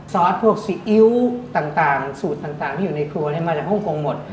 อสพวกซีอิ๊วต่างสูตรต่างที่อยู่ในครัวมาจากฮ่องกงหมด